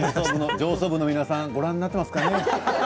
上層部の皆さんご覧になっていますかね